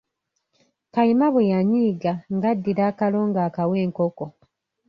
Kayima bwe yanyiiga nga addira akalo nga akawa enkoko.